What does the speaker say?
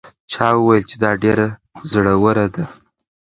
چا وویل چې دا ډېره زړه وره ده.